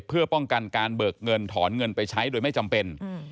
เพื่อป้องกันการเบิกเงินถอนเงินไปใช้โดยไม่จำเป็น